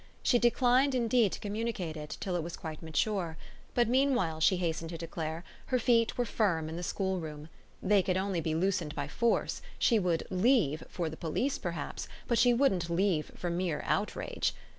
She declined indeed to communicate it till it was quite mature; but meanwhile, she hastened to declare, her feet were firm in the schoolroom. They could only be loosened by force: she would "leave" for the police perhaps, but she wouldn't leave for mere outrage.